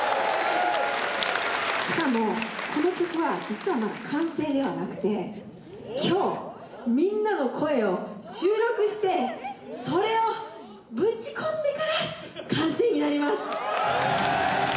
しかもこの曲は実はまだ完成ではなくて今日みんなの声を収録してそれをぶち込んでから完成になります！